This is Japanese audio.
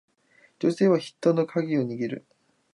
女性がヒットのカギを握る